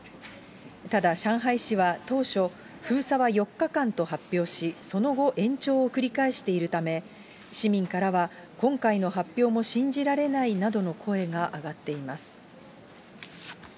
ただ上海市は、当初、封鎖は４日間と発表し、その後、延長を繰り返しているため、市民からは今回の発表も信じられないなどの声が上がっています。